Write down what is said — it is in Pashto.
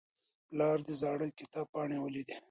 پلار د زاړه کتاب پاڼې ولیدې.